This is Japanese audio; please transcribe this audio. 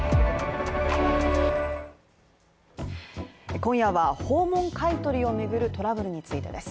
今夜は訪問買取をめぐるトラブルについてです。